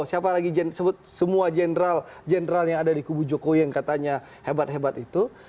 siapa lagi sebut semua jenderal yang ada di kubu jokowi yang katanya hebat hebat itu